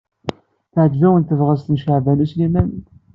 Teɛjeb-awen tebɣest n Caɛban U Sliman.